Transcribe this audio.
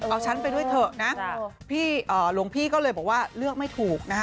เอาฉันไปด้วยเถอะนะพี่หลวงพี่ก็เลยบอกว่าเลือกไม่ถูกนะคะ